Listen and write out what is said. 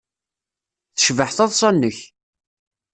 Tecbeḥ teḍsa-nnek.